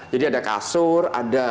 jadi ada kasur